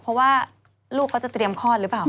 เพราะว่าลูกเขาจะเตรียมคลอดหรือเปล่า